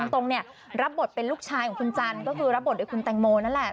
ตรงรับบทเป็นลูกชายของคุณจันก็คือรับบทคุณแต่งโมนั่นแหละ